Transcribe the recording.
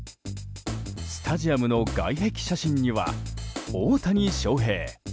スタジアムの外壁写真には大谷翔平。